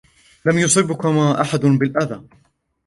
لن يصبكما أحد بالأذى.